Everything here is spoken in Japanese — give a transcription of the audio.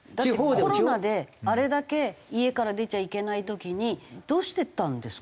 だってコロナであれだけ家から出ちゃいけない時にどうしてたんですか？